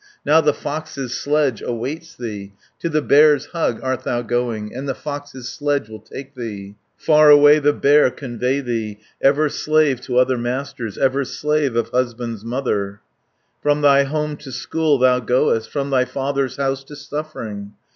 Now the fox's sledge awaits thee, To the bear's hug art thou going, And the fox's sledge will take thee, Far away the bear convey thee, Ever slave to other masters, Ever slave of husband's mother. 230 "From thy home to school thou goest, From thy father's house to suffering.